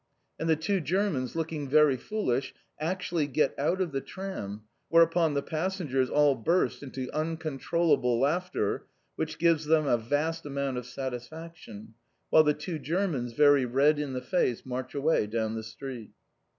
And the two Germans, looking very foolish, actually get out of the tram, whereupon the passengers all burst into uncontrollable laughter, which gives them a vast amount of satisfaction, while the two Germans, very red in the face, march away down the street.